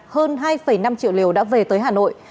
hơn hai năm triệu liều đã về tới hà nội